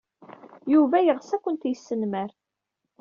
Yuba yeɣs ad kent-yesnemmer.